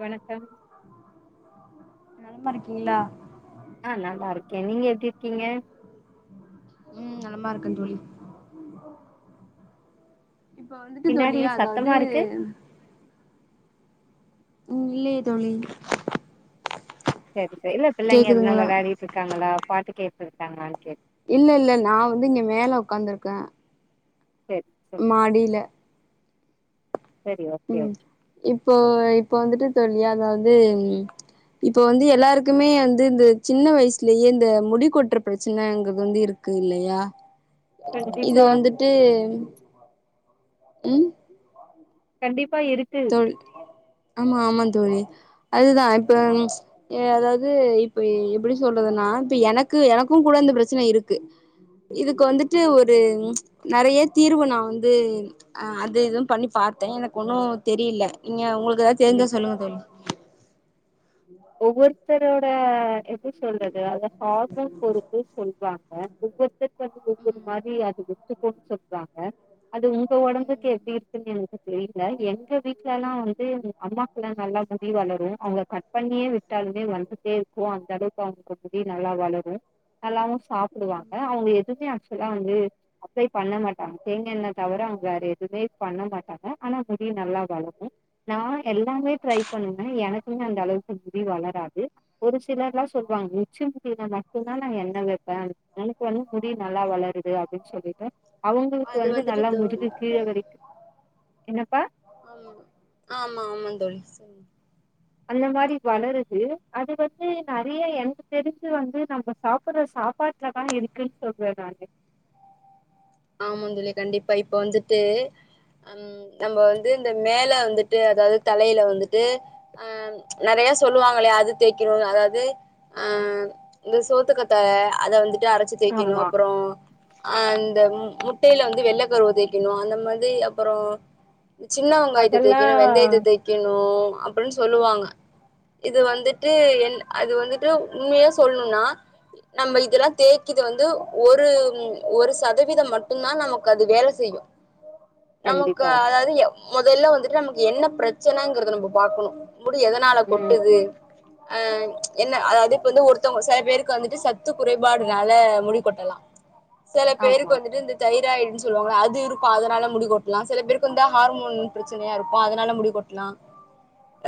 வணக்கம். நலமா இருக்கீங்களா. ஆஹ் நல்லா இருக்கேன் நீங்க எப்படி இருக்கீங்க. உம் நலமா இருக்கே தோழி. இப்ப வந்துட்டு பின்னாடி தோழியே சத்தமா அதாது இருக்கு உம் இல்லையே தோழி. சேரி சேரி இல்ல பிள்ளைங்க எதுனா கேக்குதுங்களா விளாடிட்டு இருக்காங்களா பாட்டு கேட்டுருக்காங்ளான் கே இல்ல இல்ல நான் வந்து இங்க மேல உக்காந்துருக்கே சரி சரி மாடில சரி ஓகே உம் ஓகே இப்போ இப்ப வந்துட்டு தொழ்ழி அதாவது இப்பொ வந்து எல்லாருக்குமே வந்து இந்த சின்ன வயசுலயே இந்த முடி கொட்ற பிரச்சனாங்குது வந்து இருக்கு இல்லையா இது கண்டிப்பா வந்துட்டு ம் கண்டிப் ப்பா இருக்கு தோழி ஆமா ஆமா தோழி அதுதா இப்ப எதாவது இப்ப எப்படி சொல்றதுன்னா இப்ப எனக்கு எனக்கும் கூட இந்த பிரச்சனை இருக்கு இதுக்கு வந்துட்டு ஒரு நெறைய தீர்வ நா வந்து அஹ் அது இதும் பண்ணி பாத்தே எனக்கு ஒண்ணு தெரியல இங்க ஒங்கள் எதாது ம் தெரிஞ்சா சொல்லுங்க தோழி பெரோட எப்டி சொல்றது அத ஹார்மோ பொறுப்பு சொல்வான் அ ஒவ்வொருத்தருக்கது ம் ஒவ்வொரு ம் மாரி அது ஒத்துக்குன் சொல்றாங்க அது உங்க ஒடம்புக்கு எப்டி இருக்குன் எனக்கு தெரியல எங்க வீட்லல்லா வந்து அம்மாக்குல்லா நல்லா முடி வளரு அவங்க கட் பண்ணியே விட்டாலுமே வந்துட்டே இருக்கு அந்த அளவு அவங்க முடி நல்லா வளரு நல்லாவும் சாப்புடுவாங்க அவங்க எதுமே ஆக்சுலா வந்து அப்ளை பண்ண மாட்டாங்க தேங்கா எண்ணத் தவுர அவங்க வேற எதுமே பண்ண மாட்டாங்க ஆனா முடியு நல்லா வளரு நா எல்லாமே ட்ரை பண்ணுவே எனக்குமே அந்த அளவுக் முடி வளராது ஒரு சிலர்லா சொல்லுவாங் உட்சி முடில மட்டுந்தா நா எண்ண வெப்பே எனக்கு வந்து முடி நல்லா வளருது அப்டின் சொல்லிட்டு அவங்களுக்கு அது வந்து வந்துட்டு நல்லா தோழி முதுகு கீழ வரைக்கு என்னப்பா உம் அந்த மாரி வளருது அது வந்து நெறைய எனக்கு தெரிஞ்சு வந்து நம்ம சாப்புர சாப்பாட்லதா இருக்குன் சொல்ற நானு ஆமாந்தொழி கண்டிப்பா இப்ப வந்துட்டு அம் நம்ம வந்து இந்த மேல வந்துட்டு அதாவது தலையில வந்துட்டு அஹ் நெறையா சொல்லுவாங்களே அது தேக்கிறோ அதாவது அஹ் இந்த சோத்துக்கத்தால அத வந்துட் அரச்சு தேக்கணு ஆமா அப்றோ அன் தெம் முட்டையில வந்து வெள்ளக்கருவ தேக்கணு அந்த மாதி அப்பறோ சின்ன வெங்காயத்த அதெல்லா தேக்கணு வெந்தயத்தை தேக்கணூ அப்டின் சொல்லுவாங்க இது வந்துட்டு என் அது வந்துட்டு உண்மைய சொல்ணுன்னா நம்ம இதெல்லா தேய்க்குது வந்து ஒரு ஒரு சதவீதம் மட் டுந்தா நமக்கு அது வேல செய்யு நமக்கு கண்டிப்பா அதாவது எ மொதல்ல வந்துட்டு நமக்கு என்ன பிரச்சனங்றத நம்ம பாக்கணு முடி எதனால ம் கொட்டுது அஹ் என்ன அதாவது இப்ப வந்து ஒருத்தவங்க சில பேருக்கு வந்துட்டு சத்து குறைபாடுனால முடிக்கொட்டலா செல ஆமா பேருக்கு வந்துட்டு இந்த தைராய்ட்ன்னு சொல்லுவாங்கள அது இருக்கு அதனால முடிக்கொட்டலாம் சில பேருக்கு வந்து ஹார்மோன் ப்ரச்சனையா இருக்கு அதனால முடிக்கொட்டலா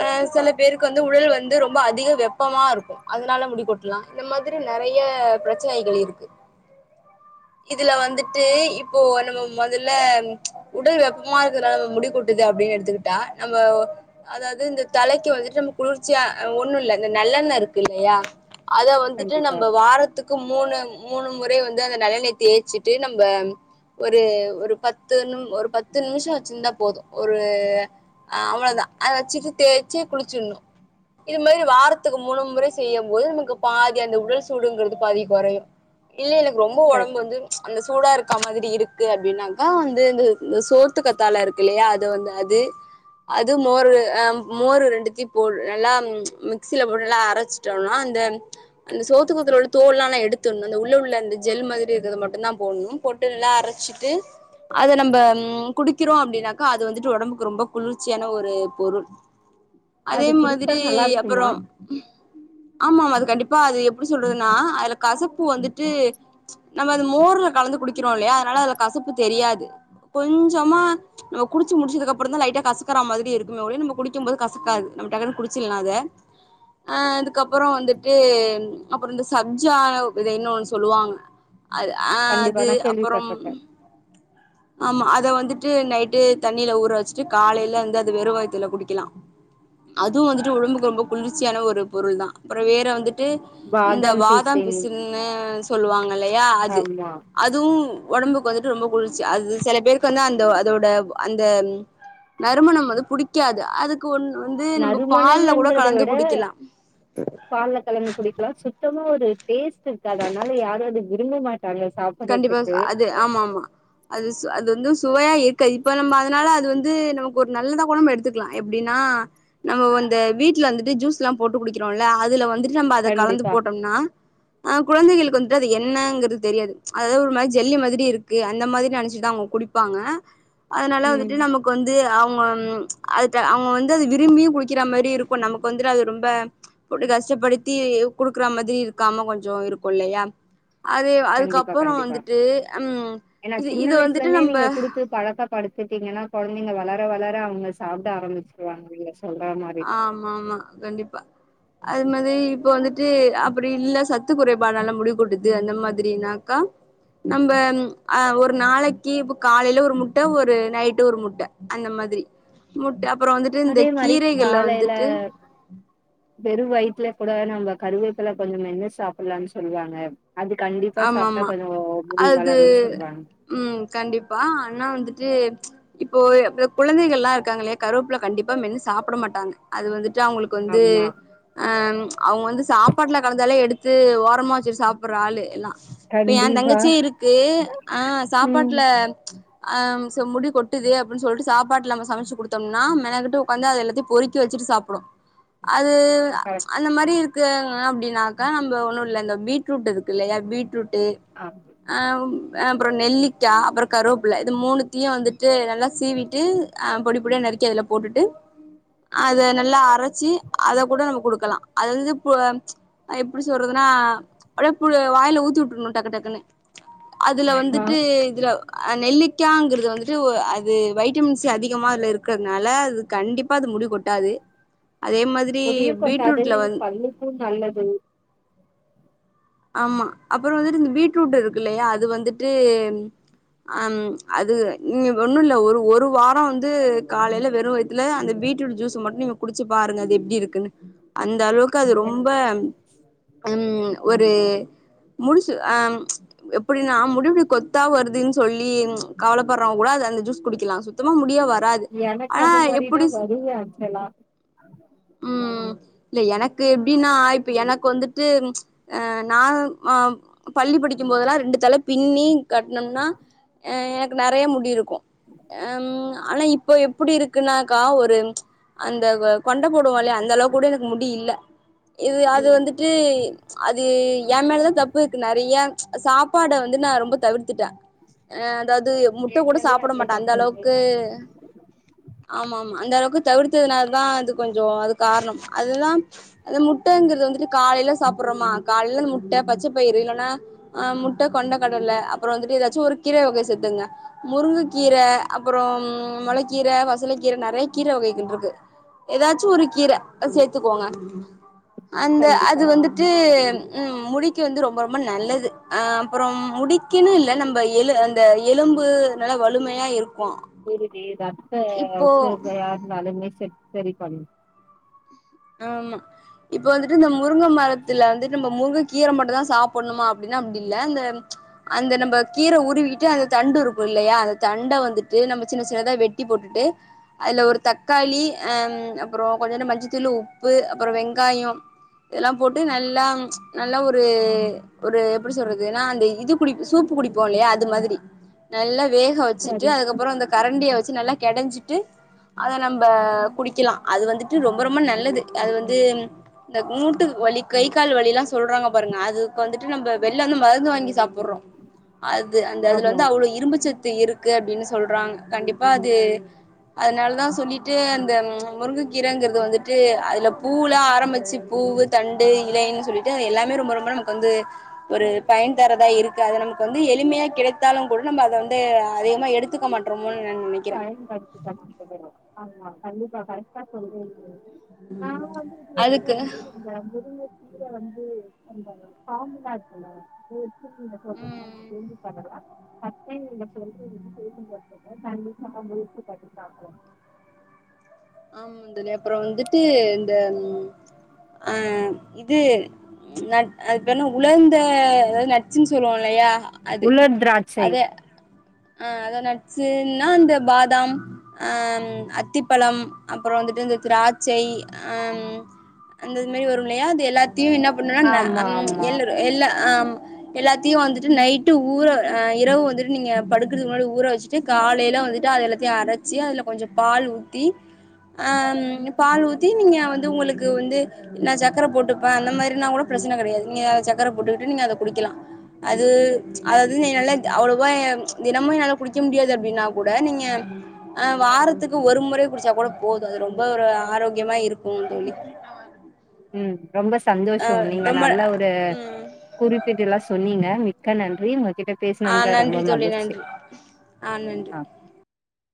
ஆ கண்டிப்பா சில பேருக்கு வந்து உடல் வந் ந்து ரொம்ப அதிக வெப்பமாருக்கு அதனால முடிக்கொட்லா இந்த மாதிரி நெறைய ப்ரெச்சனைகள் இருக்கு இதுல வந்துட் டு இப்போ நம்ப மொதல்ல ம்ச் உடல் வெப்பமா [unintelligible] முடி கொட்டுது அப்டின் எடுத்துக்கிட்டா நம்ப அதாது இந்த தலைக்கு வந்துட்டு நம்ப குளிர்ச்சியா அ ஓன்னுல்ல இந்த நல்லெண்ண இருக்கு இல்லையா அத வந்துட்டு கண்டிப்பா நம்ப வாரத்துக்கு மூனு மூனு முறை வந்து அந்த நல்லெண்ணை தேச்சிட் ட்டு நம்ப ஒரு ஒரு பத்து நிம் ஒரு பத்து நிமிஷோ வச்ருந்தா போது ஒரு அவள தா அத வெச்சிட்டு தேச்சி குளிச்சிர்னு இது மாரி வாரத்துக்கு மூனு முறை செய்யும்போது நமக்கு பாதி அந்த உடல் சூடுங்குறது பாதி கொறையு இல்லல ரொம்ப சரி ஒடம்பு வந்து அந்த சூடா இருக்க மாதிரி இருக்கு அப்டின்னாக்கா வந்து இந்து இந்த சோத்துக்கத்தால இருக்கு இல்லையா அது வந்து அது அது மோரு ஆஹ் மோர் ரெண்டுத்தி போ நல்லா ம்ச் மிக்சிய [unintelligible] நல்லா அரச்ட்டோனா அந்த அந்த சோத்துக்கத்துல உள்ள தோல்லா ஆன எடுத்துர்ணு அந்த உள்ள உள்ள அந்த ஜெல் மாதிரி இருக்கறத மட் ட்டு தா போட்னு போட்டு நல்லா அரச்சிட்டு அத நம்ப குடிக்கிறோ அப்டின்னாக்கா அது வந்துட்டு ஒடம்புக்கு ரொம்ப குளிர்ச்சியான ஒரு பொருள் அதே அது குடிச்சா மாதிரி நல்லா இருக்குமா அப்றோம் ஆமா அது கண்டிப்பா அது எப்டி சொல்றதுன்னா அதுல கசப்பு வந்துட்டு ம்ச் நம்ப மோர்ல கலந்து குடிக்கிறோ இல்லையா அதனால அதுல கசப்பு தெரியாது கொஞ்ஜமா ம்ச் நம்ப குடிச்சி முடிச்சதுக்கப்றோ தா லைட்டா கசக்கற மாதிரி இருக்குமே ஒழிய நம்ப குடிக்க போது கசக்காது நம்ப டக்னு குடிச்சிலா அத அ அதுக்கப்றோ வந்துட்டு அப்றோ இந்த சப்ஜா விதை ஒன்னு சொல்வாங்க அத அ கண்டிப்பா அது நா அப்பறொம் கேள்விப்பட்ருக்கே ஆமா அத வந்துட்டு நைட்டு தண்ணில ஊற வெச்சுட்டு காலைல வந்து அது வெறுவயித்துல குடிக்கிலா அதுவு வந்துட்டு ஒடம்புக்கு ரொம்ப குளிர்ச்சியான ஒரு பொருள் தா அப்றோ வேற வந்துட் ட்டு இந்த பாதாம் பாதம் பிசின் பிசுன்னு சொல்லுவாங்ககில ல்லையா அது ஆமா அதுவு ஒடம்புக்கு வந்துட்டு ரொம்ப குளிர்ச்சி அது செல பேருக்கு வந்து அந்த அதோட அந்த நறுமணம் வந்து புடிக்காது அதுக்கு ஒன் வந்து நம்ம பால்ல கூட நறுமணம்ன்றத கலந்து விட குடிக்கலா பால்ல கலந்து குடிக்கலா சுத்தமா இது டேஸ்ட் இருக்காது அதனால யாரு அத விரும்ப மாட் கண்டிப்பாஸ் அது ஆமா ஆமா அதுஸ் அது வந்துஸ் சுவையா இருக்காது இப்ப நம்ப அதனால அது வந்து நமக்கொரு நல்லதா கூட நம்ப எடுத்துக்லா எப்டின்னா நம்ப வந்த வீட்ல வந்துட்டு ஜூஸ்லா போட்டு குடிக்கிறோல அதுல வந்துட் நம்ப அத கலந்து கண்டிப்பா போட்டோம்னா ஆஹ் கொழந்தைகளுக்கு வந்துட்டு அது என்னங்கறது தெரியாது ம்ச் அதாது ஒரு மாரி ஜெல்லி மாதிரி இருக்கு அந்த மாதிரி நெனச்சிட்டுதா அவங்க குடிப்பாங்க அதனால ம் வந்துட்டு நமக்கு வந்து அவ் ம் அதுட்ட அவங்க வந்து அது விரும்பியு குடிக்கற மாரி இருக்கு நமக்கு வந்துட்டு அது ரொம்ப போட்டு கஷ்டப்படுத்தி குடுக்கற மாதிரி இருக்காம கொஞ்சோ இருக்குல்லையா அது அதுக்கப் கண்டிப்பா கண்டிப்பா ஏனா சின்ன இது வந்துட்டு வயசுலந்தே நம்ம நீங்க குடுத்து பழக்க படுத்திடீங்க அ கொழந்தைங்க வளர வளர அவங்க சாப்ட ஆரம்பிச்சிருவாங்க இல்ல ஆமா ஆமா கண்டிப்பா அது மாதிரி இப்ப வந்துட்டு அப்டி இல்ல சத்து குறைபாடால முடி கொட்டுது அந்த மாதிரினாக்க நம்ப ஆஹ் ஒரு நாளைக்கு இப்ப காலைல ஒரு முட்ட ஒரு நைட்டு ஒரு முட்ட அந்த மாதிரி முட்ட பறோ வந்துட்டு இந்த கீ காலைல வெறு வயித்ல கூட நம்ப கருவேப்பில கொஞ்சோ மென்னு சாப்பலான் சொல்வாங்க ஆமா மா மா அது வளருன்னு சொல்லுவாங்க ம் கண்டிப்பா ஆனா வந்துட்டு ச்ச் இப்போ குழந்தைகள்ல்லா இருக்காங்கள்யா கருவேப்புல கண்டிப்பா மென்னு சாப்ட மாட்டாங்க அது வந்து டு அவ்ங்களுக்கு வந்து ஆமா ஆ ம்ச் அவுங்க வந்து சாப்பாட்ல கலந்தாலே எடுத் த்து ஓரமா வச்சுட் சாப்புற ஆளு எல்லா இப்ப ஏ கண்டிப்பா தங்கச்சியே இருக்கு ஆ ம் சாப்பாட்ல ச்ச் ஆ சோ முடி கொட்டுது அப்டின் சொல்லிட்டு சாப்பாட்ல நம்ம சமச்சு குடுத்தோம்னா மெனகட்டு உக்காந்து அத எல்லாத்தையு பொறிக்கி வச்சுட்டு சாப்டோ அ அது ச்ச் ஆ அந்த மாரி இருக்கு அப் அப்டினாக்கா நம்ப ஒன்னு இல்ல இந்த பீட்ரூட் இருக்குல்லையா பீட்ரூட் [unintelligible] ஆம் அப்புறோ நெல்லிக்கா அப்புறோ கருவேப்புள இது மூணுத்தியு வந்துட்டு நல்லா சீவிட்டு அ பொடி பொடியா நறுக்கி அதுல போட்டுட்டு அத நல்லா அரச்சு அத கூட நம்ம குடுக்கலா அது [unintelligible] பு ச்ச் எப்டி சொல்றதுனா [unintelligible] பு வாயில ஊத்தி உட்ருணு டக்கு டக்குனு அதுல வந்துட்டு இதுல ஆ நெல்லிக்காங்றது வந்துட்டு ஒ அது வைட்டமின்சி அதிகமா அத்ல இருக்கிற்த்னால அது கண்டிப்பா அது முடி கொட்டாது அதே மாதிரி முடியு கொட்டாது பீட்ரூட்ல வந் பல்லுக்கு நல்லது ஆமா அப்புறோ வந்துட்டு இந்த பீட்ரூட் இருக்கு இல்லயா அது வந்துட்டு அம் அது நீங்க ஒண்ணுல்ல ஒரு ஒரு வாரோ வந்து காலையில வெறும் வயத்துல அந்த பீட்ரூட் ஜூஸ் மட்டு நீங்க குடிச்சு பாருங்க அது எப்டி இருக்குன்னு அந்த அளவுக் கது ரொம்ப ம் ஒரு முடிசு ஆ எப்படினா முடிவுடி கொத்தா வருதுனு சொல்லி கவலப்படுறவங் கூட அது அந்த ஜூஸ் குடிக்கலா சுத்தமா முடியா வர் எனக்கு அந்த மாரிதா வருவே அக்சலா ம் இல்ல எனக்கு எப்டின்னா இப்ப எனக்கு வந்துட்டு ஆ நா ஆஹ் பள்ளி படிக்குபோதெல்லா ரெண்டு தல பின்னி கட்ணும்னா நெறைய முடி இருக்கு ஏ ம் ஆனா இப்போ எப்டி இருக்குன்னாக்கா ஒரு அந்த கொண்ட போடுவோல்லஅந்த அளவுக் கூட எனக்கு முடி இல்ல இது அது ம் வந்துட்டு அது ஏ மேலதா தப்பு இருக்கு நெறைய சாப் பாட வந்து நா ரொம்ப தவிர்த்திட்ட ஆ அதாது முட்ட கூட ஏற்கனவே சாப்பிட அதே மாட்ட அந்த தப்பு இருக்கு அளவுக்கு ஆமா மா மா ஆ அந்த அளவுக் கு தவிர்த்ததுனால தா அது கொஞ்சோ அது காரணம் அதுதா அ முட்டங்கிறது வந்துட்டு காலையில சாப் ப்புறோமா காலேல்ல முட்ட பச்சை பயிறு இல்லன்னா அ முட்ட கொண்டை கடல்ல அப்புறோ வந்துட்டு ஏதாச்சு ஒரு கீரை வக சேர்த்துங்க முருங்க கீரை அப்புறோம் முளக்கீரை வசல கீரை நெறைய கீரை வகைகள் இருக்கு ஏதாச்சு ஒரு கீர சேர்த்துக்கோங்க அந்த அது கண்டிப்பா வந்து து உம் முடிக்கு வந்து ரொம்ப ரொம்ப நல்லது அ அப்பறோ முடிக்கன்னு இல்ல நம்ம எலு அந்த எலும்பு நல்ல வலமையா இருக்கு [unintelligible] ரத்த இப்போ சோகையா இருந்தாலுமே செ செரி பண்ணு ஆமா இப்ப வந்துட்டு இந்த முருங்க மரத்துல வந்துட்டு நம்ம முருங்க கீர மட்டு தா சாப்பிடணுமா அப்டின்னா அப்டி இல்ல அந்த அந்த நம்ம கீர உருவிட்டு அந்த தண்டு இருக்கு இல்லையா அந்த தண்ட வந்துட்டு நம்ம சின்ன சின்னதா வெட்டி போட்டுட்டு அதுல ஒரு தக்காளி அஹ் அப்புறோ கொஞ்சோண்டு மஞ்ச தில்லு உப்பு அப்பறோ வெங்காயம் இதல்லா போட்டு நல்லா ம் நல்லா ஒரு ஒரு எப்படி சொல்றது நா வந்து இது புடி சூப்பு குடிப்போ இல்லையா அது மாதிரி நல்லா வேக வெச்சுட்டு சரி அதுக்கப்ரோ அந்த கரண்டிய ச்சு நல்லா கெடஞ்சிட்டு அத நம்ப குடிக்கலா அது வந்துட்டு ரொம் ம்ப ரொம்ப நல்லது அது வந்து இந்த மூட்டு வலி கை கால் வலி எல்லாம் சொல்றாங்க பாருங்க அதுக்கு வந்துட்டு நம்ம வெள்ள இருந்து மருந்து வாங்கி சாப் ப்புறோம் அது அந்த அதுல ஆமா வந்து அவ்வளவு இரும்பு சத் த்து இருக்கு அப்படின்னு சொல்றாங்க கண்டிப்பா அது அதனாலதா சொல்லிட்டு அந்த முருங்க கீரைங்கற அது வந்துட்டு அதுல பூலா ஆரம்பிச்சு பூவு தண்டு இலைன்னு சொல்லிட்டு எல்லாமே ரொம்ப ரொம்ப நமக்கு வந்து ஒரு பயன் தரதா இருக்கு அத நமக்கு வந்து எளிமையா கிடைத்தாலு கூட நம்ம அத வந்து அதிகமா எடுத்துக்க மாட்ரோ பயன்படுத்திக்க மாட்டிக்கிறோ ஆமா கண்டிப்பா கரெக்டா சொல்றீங்களே நான் வந்து இது எதுகோ அதுக்கு வந்து அந்த முருங்கக் கீர வந்து [unintelligible] காம்பு தா ஆட் பண்ணுவாங்க ம் [inaudible] [inaudible] [inaudible] ஆமா தோழி அப்புற வந்துட்டு இந்த ம் அஹ் இது நட் அது பேர் என்ன உலர்ந்த அதாவது நட்சுன்னு சொல்லுவோ நறையா அது உலர் திராட்சை அத அஹ் அத நட்சுன்னா அந்த பாதாம் ஆஹ் அத்திப்பழம் அப்புறோ வந்துட்டு இந்த திராட்சை ஆஹ் அந்தது மாரி வரு இல்லையா அது எல்லா தியும் என்ன பண்ணுனா ந ஆமா அம் ஆமா எள்ளுரு எல்லா ஆஹ்ம் எல்லாத்தையு வந்துட்டு நைட்டு ஊர அஹ் இரவு வந்துட்டு நீங்க படுக்கிறதுக்கு முன்னாடி ஊற வச்சுட்டு காலையில வந்துட்டு அது எல்லாத்தையு அரச்சி அதுல கொஞ்சோ பால் ஊத்தி ஆஹ ம் பால் ஊத்தி நீங்க வந்து உங்களுக்கு வந்து நா சக்கர போட்டுப்பே அந்த மாரி நா கூட பிரச்சனை கிடையாது நீங்க அத சக்கரை போட்டுக்கிட்டு நீங்க அத குடிக்கலா அது அதாவது நீங்க நல்லா எக் அவ்வளோவா தினமு என்னால குடிக்க முடியாது அப்படின்னா கூட நீங்க ஆஹ் வாரத்துக்கு ஒரு முறை குடிச்சா கூட போது அது ரொம்ப ஒரு ஆரோக்கியமா இருக்கு தோழி உம் ரொம்ப ஆ சந்தோஷோ நீங்க ரொம்ப நல்ல ஒரு ம் குறிப்பீடு எல்லா சொன்னீங்க மிக்க நன்றி உங்க ஆஹ் நன்றி தோழி நன்றி ஆஹ் நன்றி ஆ